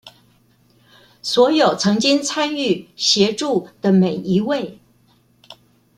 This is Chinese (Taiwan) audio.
所有曾經參與、協助的每一位